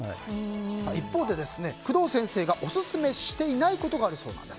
一方で工藤先生がオススメしていないことがあるそうなんです。